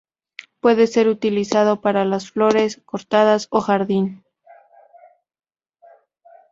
Puede ser utilizado para las flores cortadas o jardín.